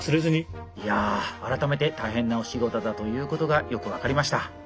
いや改めて大変なお仕事だということがよく分かりました。